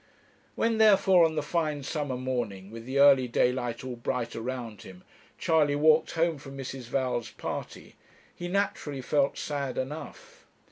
When, therefore, on the fine summer morning, with the early daylight all bright around him, Charley walked home from Mrs. Val's party, he naturally felt sad enough.